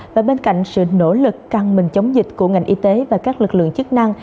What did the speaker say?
và bên cạnh sự nỗ lực căng mình chống dịch của ngành y tế và các lực lượng chức năng